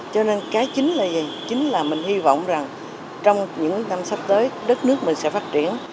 cho nên cái chính là chính là mình hy vọng rằng trong những năm sắp tới đất nước mình sẽ phát triển